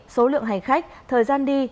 số lượng hành khách thời gian đi